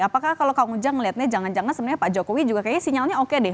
apakah kalau kang ujang melihatnya jangan jangan sebenarnya pak jokowi juga kayaknya sinyalnya oke deh